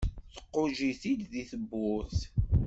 Tquǧǧ-it-id deg tewwurt.